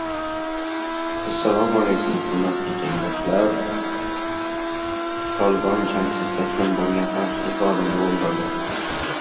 Tolibon jangsiz taslim bo‘lgan xavfsizlik xodimini o‘ldirdi